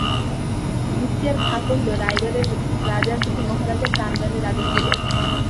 মুক্তিয়ার খাঁ কহিল, রায়গড়ের রাজার প্রতি মহারাজা প্রাণদণ্ডের আদেশ করিয়াছেন।